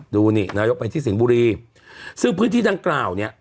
ดูนี่นายกไปที่สิงห์บุรีซึ่งพื้นที่ดังกล่าวเนี่ย